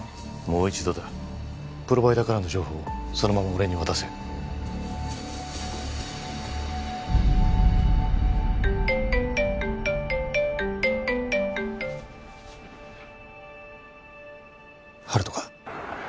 もう一度だプロバイダーからの情報をそのまま俺に渡せ温人か？